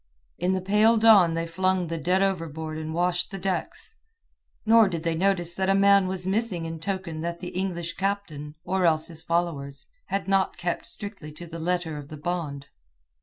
In the pale dawn they flung the dead overboard and washed the decks, nor did they notice that a man was missing in token that the English captain, or else his followers, had not kept strictly to the letter of the bond.